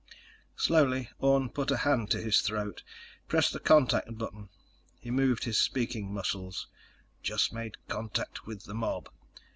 Slowly, Orne put a hand to his throat, pressed the contact button. He moved his speaking muscles: _"Just made contact with the mob.